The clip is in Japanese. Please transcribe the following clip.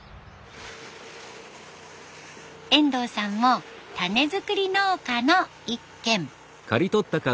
遠藤さんも種づくり農家の一軒。